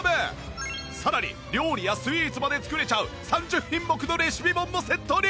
さらに料理やスイーツまで作れちゃう３０品目のレシピ本もセットに！